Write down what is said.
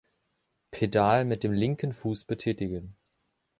Pedal mit dem linken Fuß betätigen.